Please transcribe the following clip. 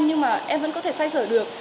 nhưng mà em vẫn có thể xoay xở được